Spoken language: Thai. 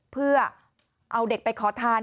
เพื่อเอาเด็กไปขอทาน